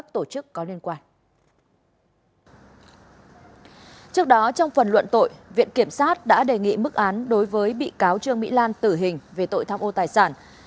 trước đó trong phần luận tội viện kiểm sát đã đề nghị mức án đối với bị cáo trương mỹ lan tử hình về tội tham ô tài sản